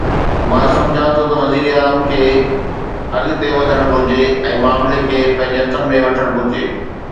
مان سمجهان ٿو ته وزير اعظم کي اڳتي وڌڻ گهرجي ۽ معاملي کي پنهنجي هٿن ۾ وٺڻ گهرجي.